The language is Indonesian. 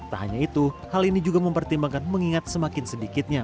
tak hanya itu hal ini juga mempertimbangkan mengingat semakin sedikitnya